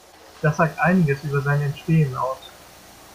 Das sagt einiges über sein Entstehen aus.